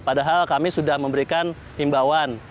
padahal kami sudah memberikan himbauan